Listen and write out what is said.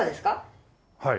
はい。